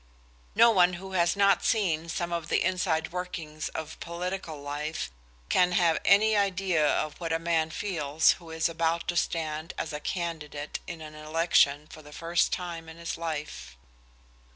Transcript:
No one who has not seen some of the inside workings of political life can have any idea of what a man feels who is about to stand as a candidate in an election for the first time in his life.